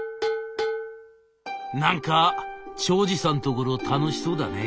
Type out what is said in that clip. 「何か長司さんところ楽しそうだね」。